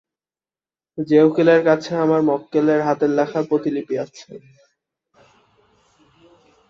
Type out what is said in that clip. যে উকিলের কাছে আমার মক্কেলের হাতের লেখার প্রতিলিপি আছে।